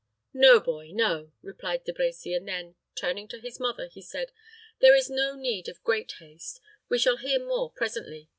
"No, boy no!" replied De Brecy and then, turning to his mother, he said, "There is no need of great haste. We shall hear more presently.